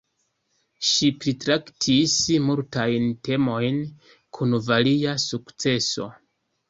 Ŝi pritraktis multajn temojn, kun varia sukceso.